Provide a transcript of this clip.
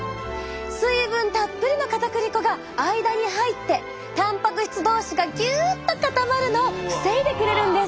水分たっぷりのかたくり粉が間に入ってたんぱく質同士がぎゅっと固まるのを防いでくれるんです。